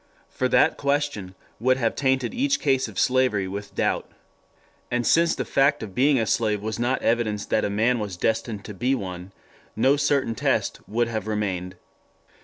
For that question would have tainted each case of slavery with doubt. And since the fact of being a slave was not evidence that a man was destined to be one, no certain test would have remained.